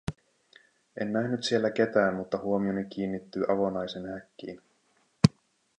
En nähnyt siellä ketään, mutta huomioni kiinnittyy avonaisen häkkiin.